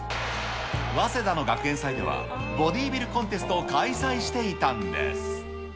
早稲田の学園祭ではボディービルコンテストを開催していたんです。